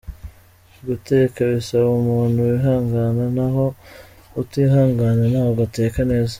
Guteka bisaba umuntu wihangana naho utihangana ntabwo ateka neza.